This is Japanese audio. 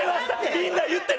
みんな言ってる！